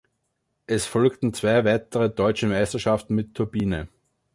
Es folgten zwei weitere deutsche Meisterschaften mit Turbine.